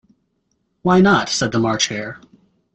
‘Why not?’ said the March Hare.